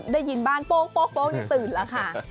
ได้ยินบ้านโป้งนี่ตื่นแล้วค่ะ